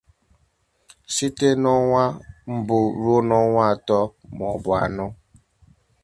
site na ọnwa mbụ ruo na ọnwa atọ ma ọ bụ anọ